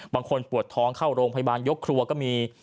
บางคนปวดท้องเข้าโรงพยาบาลยกครัวก็มี